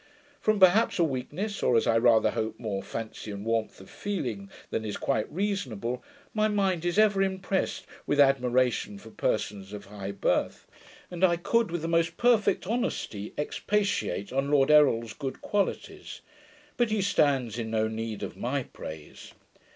From perhaps a weakness, or, as I rather hope, more fancy and warmth of feeling than is quite reasonable, my mind is ever impressed with admiration for persons of high birth, and I could, with the most perfect honesty, expatiate on Lord Errol's good qualities; but he stands in no need of my praise.